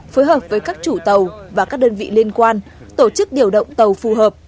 phối hợp với các chủ tàu và các đơn vị liên quan tổ chức điều động tàu phù hợp